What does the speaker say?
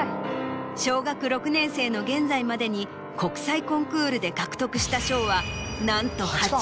小学６年生の現在までに国際コンクールで獲得した賞はなんと。